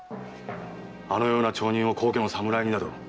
あのような町人を高家の侍になど。